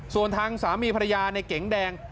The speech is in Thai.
ส่วนทางสามีภรรยาในเก๋งแดง